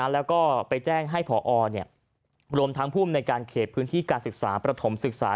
แล้วก็ไปแจ้งให้ผอรวมทั้งภูมิในการเขตพื้นที่การศึกษาประถมศึกษา